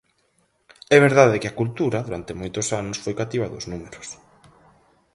É verdade que a cultura, durante moitos anos, foi cativa dos números.